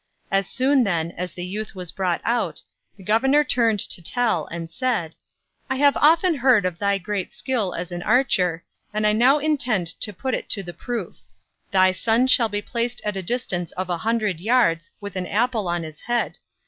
As soon, then, as the youth was brought out, the governor turned to Tell, and said: "I have often heard of thy great skill as an archer, and I now intend to put it to the proof. Thy son shall be placed at a distance of a hundred yards, with an apple on his head.